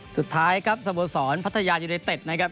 สุดท้ายครับสโมสรพัทยายูเนเต็ดนะครับ